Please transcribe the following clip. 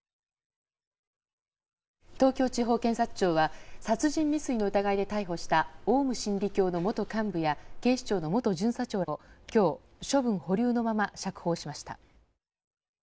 東京地方検察庁は殺人未遂の疑いで逮捕したオウム真理教の元幹部や警視庁の元巡査長を今日処分保留のまま釈放しました。